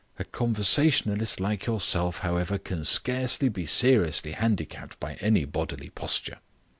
A conversationalist like yourself, however, can scarcely be seriously handicapped by any bodily posture.